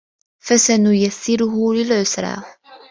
فَسَنُيَسِّرُهُ لِلعُسرى